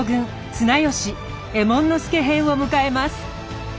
綱吉・右衛門佐編を迎えます。